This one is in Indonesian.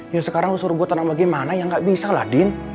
ya sekarang lu suruh gue tenang lagi mana ya nggak bisa lah din